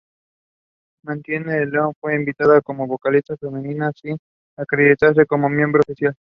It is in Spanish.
Martine van Loon fue invitada como vocalista femenina, sin acreditarse como miembro oficial.